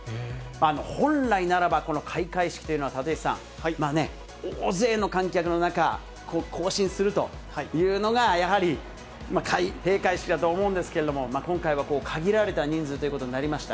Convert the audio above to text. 本来ならば、この開会式というのは立石さん、大勢の観客の中、行進するというのが、やはり開閉会式だと思うんですけれども、今回は限られた人数ということになりました。